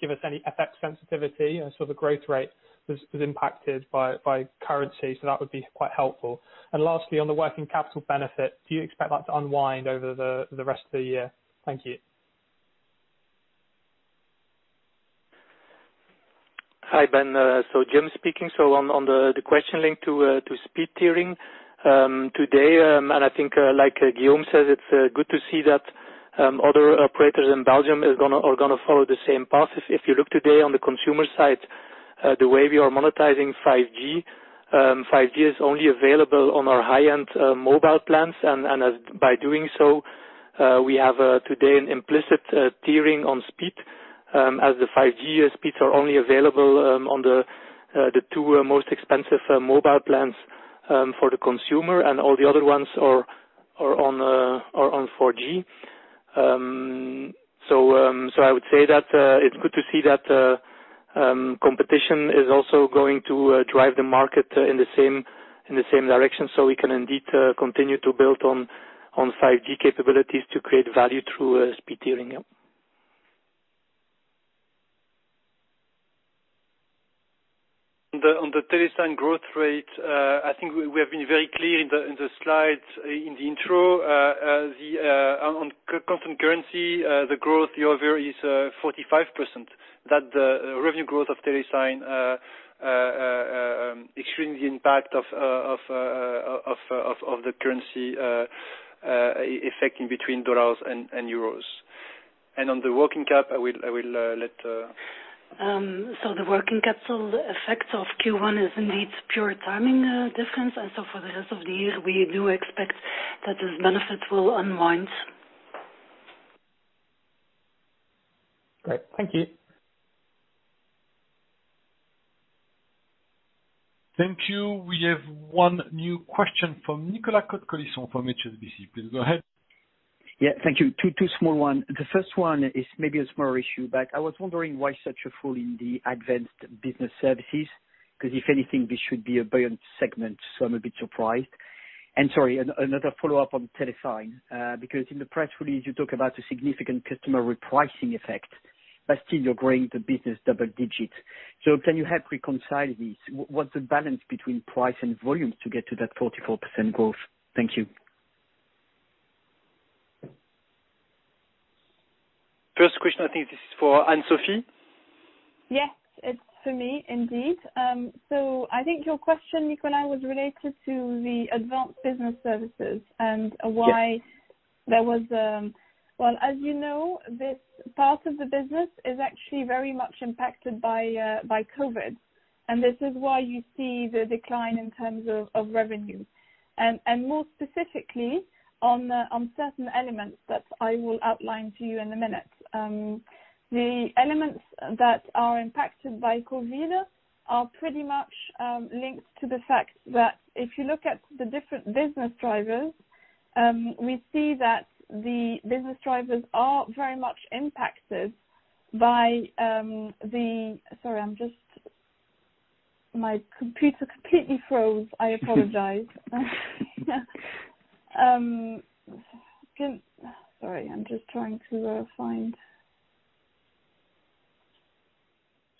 give us any FX sensitivity and so the growth rate was impacted by currency, so that would be quite helpful. Lastly, on the working capital benefit, do you expect that to unwind over the rest of the year? Thank you. Hi, Ben. Jim speaking. On the question linked to speed tiering. Today, I think like Guillaume says, it's good to see that other operators in Belgium are going to follow the same path. If you look today on the consumer side, the way we are monetizing 5G is only available on our high-end mobile plans. By doing so, we have today an implicit tiering on speed, as the 5G speeds are only available on the two most expensive mobile plans for the consumer, and all the other ones are on 4G. I would say that it's good to see that competition is also going to drive the market in the same direction, so we can indeed continue to build on 5G capabilities to create value through speed tiering. On the Telesign growth rate, I think we have been very clear in the slides in the intro. On constant currency, the growth YoY is 45%. That the revenue growth of Telesign, excluding the impact of the currency affecting between dollars and euros. On the working cap, I will let. The working capital effect of Q1 is indeed pure timing difference. For the rest of the year, we do expect that this benefit will unwind. Great. Thank you. Thank you. We have one new question from Nicolas Cote-Colisson from HSBC. Please go ahead. Yeah. Thank you. Two small one. The first one is maybe a small issue. I was wondering why such a fall in the advanced business services. If anything, this should be a buoyant segment. I'm a bit surprised. Sorry, another follow-up on Telesign. In the press release you talk about a significant customer repricing effect. Still you're growing the business double digits. Can you help reconcile this? What's the balance between price and volume to get to that 44% growth? Thank you. First question, I think this is for Anne-Sophie. Yes, it's for me indeed. I think your question, Nicolas, was related to the advanced business services. Well, as you know, this part of the business is actually very much impacted by COVID. This is why you see the decline in terms of revenue. More specifically, on certain elements that I will outline to you in a minute. The elements that are impacted by COVID are pretty much linked to the fact that if you look at the different business drivers, we see that the business drivers are very much impacted by the Sorry, my computer completely froze. I apologize. Sorry, I'm just trying to find.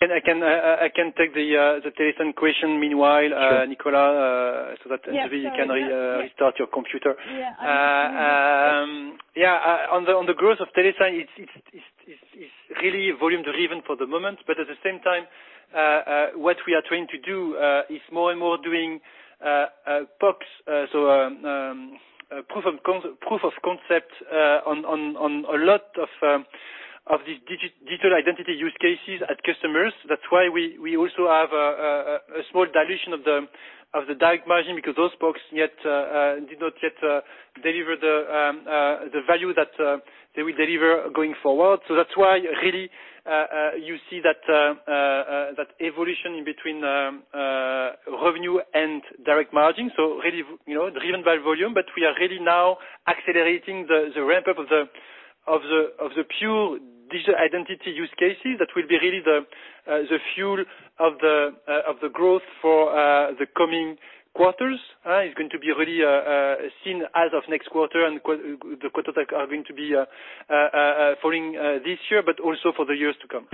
I can take the Telesign question meanwhile. Sure Nicolas, so that Anne-Sophie can restart your computer. Yeah. Yeah. On the growth of Telesign, it's really volume-driven for the moment, but at the same time, what we are trying to do is more and more doing PoCs. Proof of concept on a lot of these digital identity use cases at customers. That's why we also have a small dilution of the direct margin because those PoCs did not yet deliver the value that they will deliver going forward. That's why, really, you see that evolution between revenue and direct margin. Really driven by volume, but we are really now accelerating the ramp-up of the pure digital identity use cases, that will be really the fuel of the growth for the coming quarters. It's going to be really seen as of next quarter, and the quarter that are going to be following this year, but also for the years to come.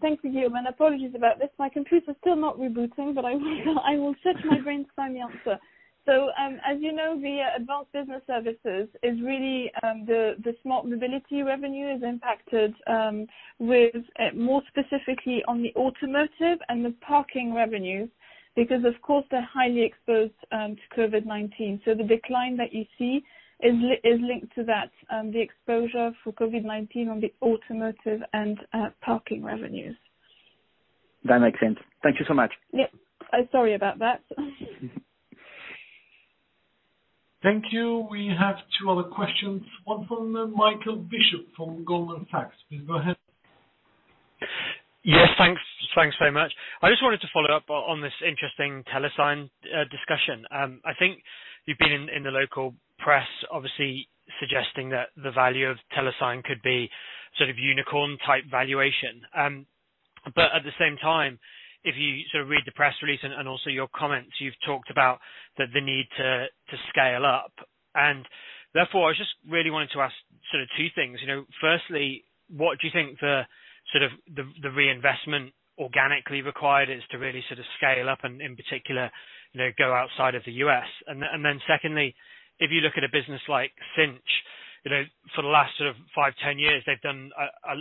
Thank you, Guillaume, and apologies about this. My computer's still not rebooting, but I will search my brain to find the answer. As you know, via advanced business services, is really the smart mobility revenue is impacted with more specifically on the automotive and the parking revenue, because of course, they're highly exposed to COVID-19. The decline that you see is linked to that, the exposure for COVID-19 on the automotive and parking revenues. That makes sense. Thank you so much. Yep. Sorry about that. Thank you. We have two other questions, one from Michael Bishop from Goldman Sachs. Please go ahead. Yes, thanks. Thanks very much. I just wanted to follow up on this interesting Telesign discussion. I think you've been in the local press, obviously suggesting that the value of Telesign could be sort of unicorn-type valuation. At the same time, if you read the press release and also your comments, you've talked about the need to scale up, and therefore, I just really wanted to ask two things. Firstly, what do you think the reinvestment organically required is to really scale up and in particular go outside of the U.S.? Secondly, if you look at a business like Sinch, for the last five, 10 years, they've done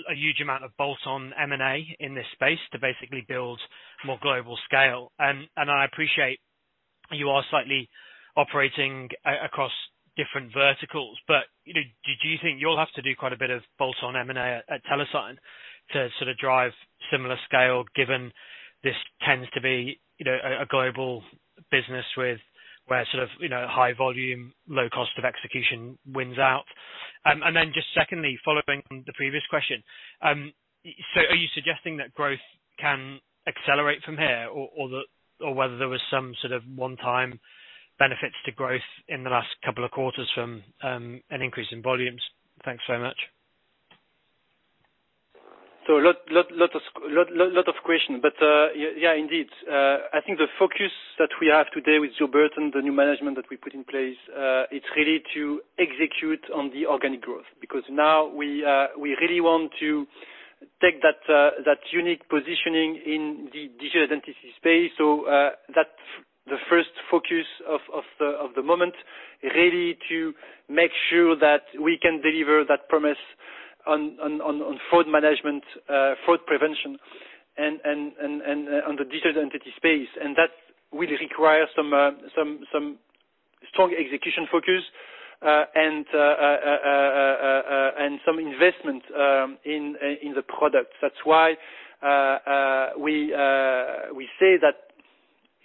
a huge amount of bolt-on M&A in this space to basically build more global scale. I appreciate you are slightly operating across different verticals, but, do you think you'll have to do quite a bit of bolt-on M&A at Telesign to drive similar scale, given this tends to be a global business where high volume, low cost of execution wins out? Then just secondly, following from the previous question, are you suggesting that growth can accelerate from here or whether there was some sort of one-time benefits to growth in the last couple of quarters from an increase in volumes? Thanks so much. Lot of question, but, yeah, indeed. I think the focus that we have today with Joe Burton and the new management that we put in place, it's really to execute on the organic growth, because now we really want to take that unique positioning in the digital identity space. That's the first focus of the moment, really to make sure that we can deliver that promise on fraud management, fraud prevention and on the digital identity space. That will require some strong execution focus, and some investment in the product. That's why we say that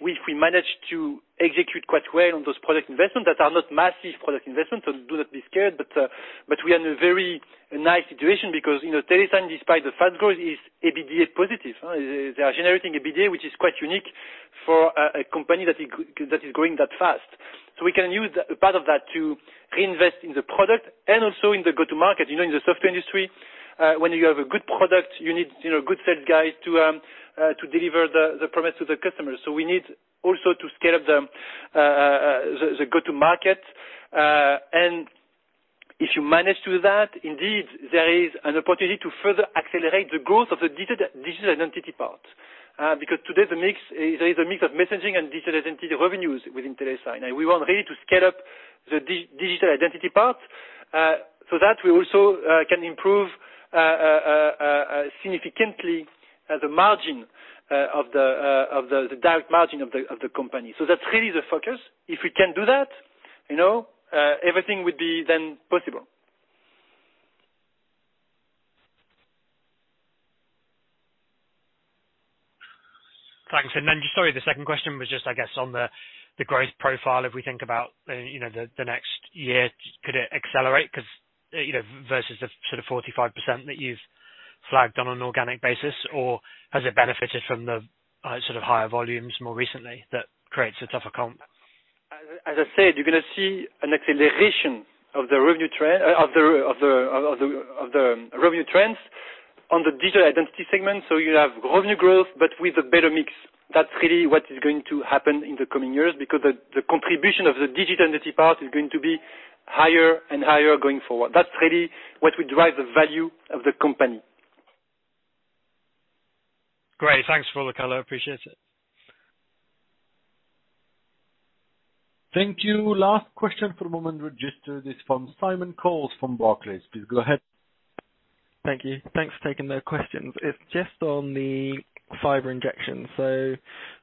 if we manage to execute quite well on those product investments that are not massive product investments, so do not be scared. We are in a very nice situation because Telesign, despite the fast growth, is EBITDA positive. They are generating EBITDA, which is quite unique for a company that is growing that fast. We can use a part of that to reinvest in the product and also in the go-to market. In the software industry, when you have a good product, you need good sales guys to deliver the promise to the customers. We need also to scale up the go-to market. If you manage to do that, indeed, there is an opportunity to further accelerate the growth of the digital identity part. Today there is a mix of messaging and digital identity revenues within Telesign, and we want really to scale up the digital identity part, so that we also can improve significantly the margin, the direct margin of the company. That's really the focus. If we can do that, everything would be then possible. Thanks. Sorry, the second question was just, I guess, on the growth profile. If we think about the next year, could it accelerate because versus the 45% that you've flagged on an organic basis? Has it benefited from the higher volumes more recently that creates a tougher comp? As I said, you're going to see an acceleration of the revenue trends on the digital identity segment. You have revenue growth, but with a better mix. That's really what is going to happen in the coming years, because the contribution of the digital identity part is going to be higher and higher going forward. That's really what will drive the value of the company. Great. Thanks for the color. I appreciate it. Thank you. Last question for the moment, registered is from Simon Coles from Barclays. Please go ahead. Thank you. Thanks for taking the questions. It's just on the fiber injection.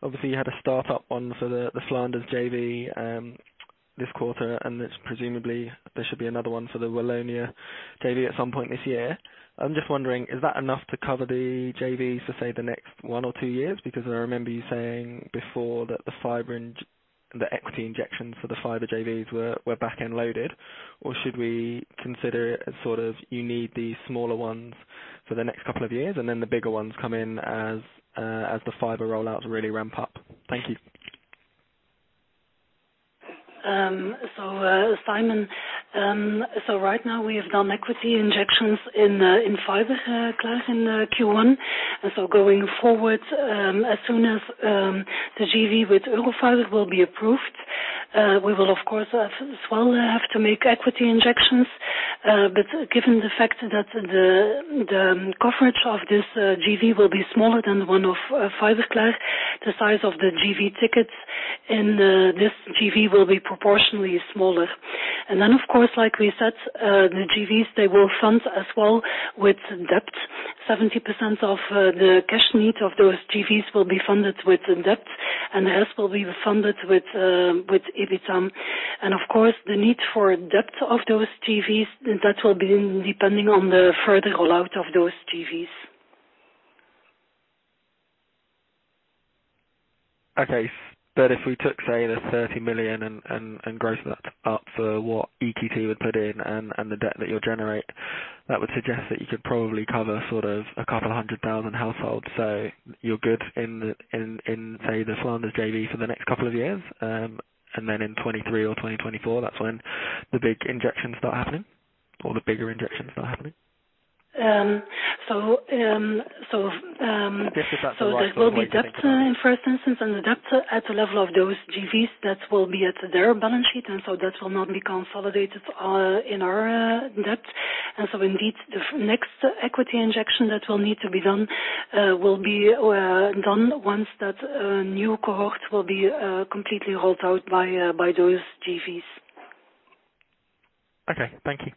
Obviously you had a start-up one for the Flanders JV, this quarter, and presumably there should be another one for the Wallonia JV at some point this year. I'm just wondering, is that enough to cover the JVs for, say, the next one or two years? I remember you saying before that the equity injection for the fiber JVs were back-end loaded, or should we consider it as sort of you need the smaller ones for the next couple of years, and then the bigger ones come in as the fiber rollouts really ramp up? Thank you. Simon, right now we have done equity injections in Fiberklaar in Q1. Going forward, as soon as the JV with Eurofiber will be approved, we will of course as well have to make equity injections. Given the fact that the coverage of this JV will be smaller than the one of Fiberklaar, the size of the JV tickets in this JV will be proportionally smaller. Of course, like we said, the JVs, they will fund as well with debt. 70% of the cash need of those JVs will be funded with debt, and the rest will be funded with EBITA. Of course, the need for debt of those JVs, that will be depending on the further rollout of those JVs. If we took, say, the 30 million and gross that up for what EQT would put in and the debt that you'll generate, that would suggest that you could probably cover a couple of hundred thousand households. You're good in, say, the Flanders JV for the next couple of years, and then in 2023 or 2024, that's when the big injections start happening, or the bigger injections start happening? There will be debt in the first instance, and the debt at the level of those JVs, that will be at their balance sheet, and so that will not be consolidated in our debt. Indeed, the next equity injection that will need to be done will be done once that new cohort will be completely rolled out by those JVs. Okay. Thank you.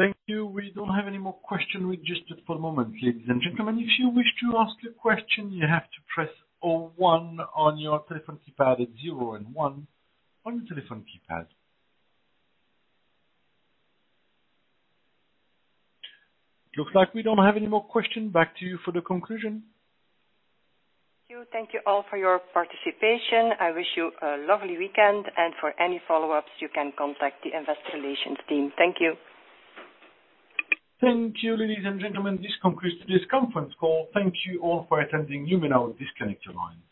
Thank you. We don't have any more questions registered at the moment, ladies and gentlemen. If you wish to ask a question, you have to press zero one on your telephone keypad, zero and one on your telephone keypad. Looks like we don't have any more questions. Back to you for the conclusion. Thank you. Thank you all for your participation. I wish you a lovely weekend, and for any follow-ups, you can contact the Investor Relations team. Thank you. Thank you, ladies and gentlemen. This concludes this conference call. Thank you all for attending. You may now disconnect your lines.